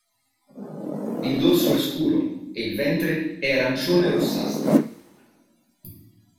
Il dorso è scuro è il ventre è arancione-rossastro.